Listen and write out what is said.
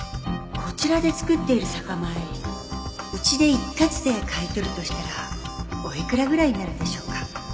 こちらで作っている酒米うちで一括で買い取るとしたらおいくらぐらいになるでしょうか？